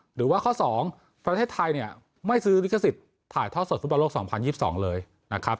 หรือว่าข้อ๒ประเทศไทยเนี่ยไม่ซื้อลิขสิทธิ์ถ่ายทอดสดฟุตบอลโลก๒๐๒๒เลยนะครับ